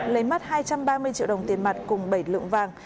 lấy mắt hai trăm ba mươi triệu đồng tiền mặt cùng bảy lượng vàng